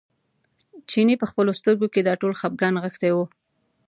چیني په خپلو سترګو کې دا ټول خپګان نغښتی و.